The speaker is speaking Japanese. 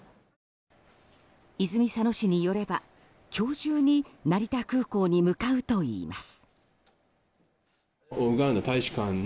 泉佐野市によれば、今日中に成田空港に向かうといいます。